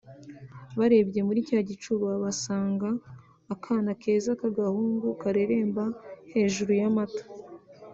barebye muri cya gicuba basanga akana keza k’agahungu kareremba hejuru y’amata